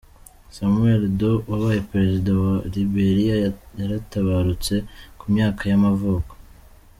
Samuel Doe, wabaye perezida wa wa Liberiya yaratabarutse, ku myaka y’amavuko.